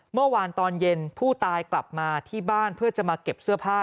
เมื่อวานตอนเย็นผู้ตายกลับมาที่บ้านเพื่อจะมาเก็บเสื้อผ้า